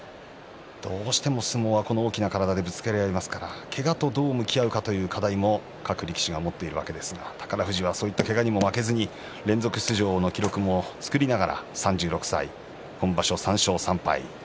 どうしても相撲は大きな体でぶつかり合いますからけがとどう向き合うかという課題も各力士持っていますが宝富士はそういうけがにも負けず連続出場の記録を作りながら３６歳、今場所３勝３敗。